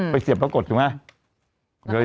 ไปเสียบแล้วกดถูกไหม